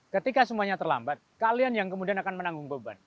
ketika semuanya terlambat kalian yang kemudian akan menanggung beban